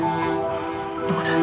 kpnb yakan tapi